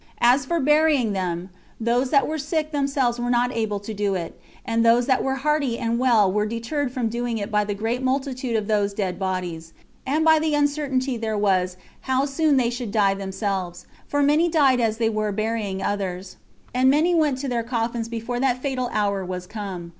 As for burying them, those that were sick themselves were not able to do it; and those that were hearty and well were deterred from doing it by the great multitude of those dead bodies, and by the uncertainty there was how soon they should die themselves; for many died as they were burying others, and many went to their coffins before that fatal hour was come.